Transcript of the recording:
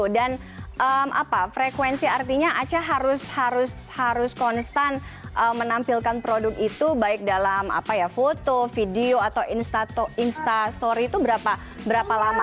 frekuensi artinya aca harus konstan menampilkan produk itu baik dalam foto video atau instastory itu berapa lama